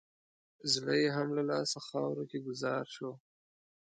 زړه یې هم له لاسه خاورو کې ګوزار شو.